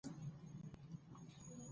چې په متن کې د دواړو جنسونو لپاره